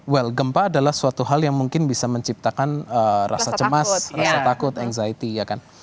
well gempa adalah suatu hal yang mungkin bisa menciptakan rasa cemas rasa takut anxiti ya kan